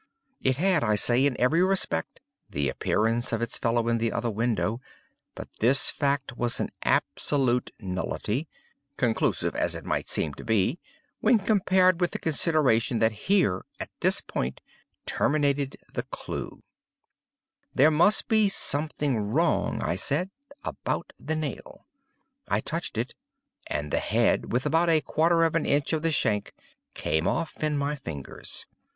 _ It had, I say, in every respect, the appearance of its fellow in the other window; but this fact was an absolute nullity (conclusive us it might seem to be) when compared with the consideration that here, at this point, terminated the clew. 'There must be something wrong,' I said, 'about the nail.' I touched it; and the head, with about a quarter of an inch of the shank, came off in my fingers.